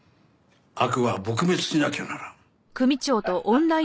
悪は撲滅しなきゃならん。